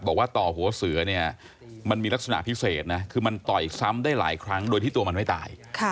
บอกว่าต่อหัวเสือเนี่ยมันมีลักษณะพิเศษนะคือมันต่อยซ้ำได้หลายครั้งโดยที่ตัวมันไม่ตาย